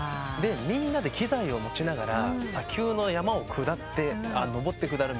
みんなで機材を持ちながら砂丘の山を登って下るみたいな。